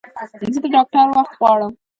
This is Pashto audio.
زه د ډاکټر وخت غواړم